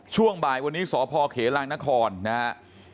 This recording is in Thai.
ช่วงบ่ายวันนี้สพเขลางนครนะครับ